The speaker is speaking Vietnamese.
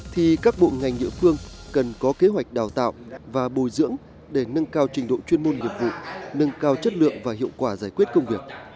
thì các bộ ngành địa phương cần có kế hoạch đào tạo và bồi dưỡng để nâng cao trình độ chuyên môn nghiệp vụ nâng cao chất lượng và hiệu quả giải quyết công việc